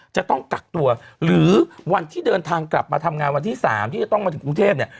จะต้องกักตัวหรือวันที่เดินทางกลับมาทำงานวันที่๓ที่จะต้องมาถึงกรุงเทพเนี่ย